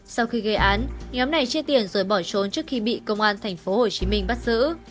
sau khi gây án nhóm này chia tiền rồi bỏ trốn trước khi bị công an tp hcm bắt giữ